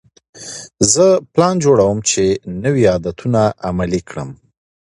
زه پلان جوړوم چې نوي عادتونه عملي کړم.